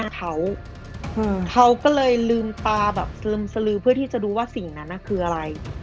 เขาเขาก็เลยลืมตาแบบสลึมสลือเพื่อที่จะดูว่าสิ่งนั้นคืออะไร